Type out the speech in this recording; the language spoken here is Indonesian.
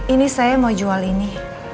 ini saya mau jual ini